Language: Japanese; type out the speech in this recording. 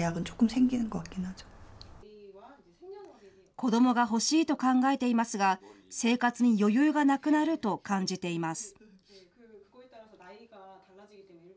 子どもが欲しいと考えていますが、生活に余裕がなくなると感じています。